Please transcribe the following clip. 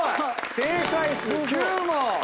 正解数９問！